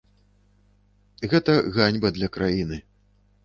Гэта ганьба для краіны.